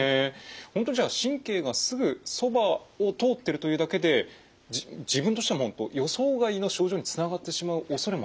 本当にじゃあ神経がすぐそばを通っているというだけで自分としてはもう予想外の症状につながってしまうおそれもあるんですか？